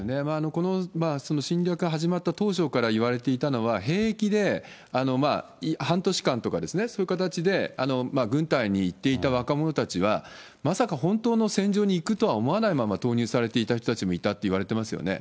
この侵略始まった当初からいわれていたのは、兵役で半年間とかそういう形で、軍隊に行っていた若者たちは、まさか本当の戦場に行くとは思わないまま投入されていた人たちもいたっていわれてますよね。